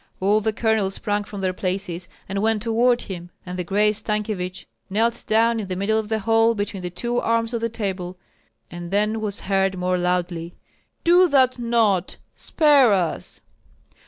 All the colonels sprang from their places and went toward him; and the gray Stankyevich knelt down in the middle of the hall between the two arms of the table, and then was heard more loudly: "Do that not! spare us!"